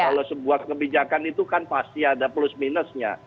kalau sebuah kebijakan itu kan pasti ada plus minusnya